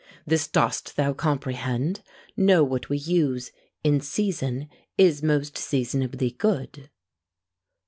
This dost thou comprehend? Know, what we use In season, is most seasonably good!